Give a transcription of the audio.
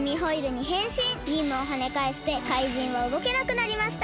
ビームをはねかえして怪人はうごけなくなりました。